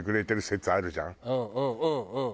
うんうんうんうん。